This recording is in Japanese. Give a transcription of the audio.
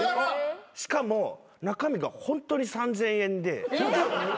しかも中身がホントに３，０００円で。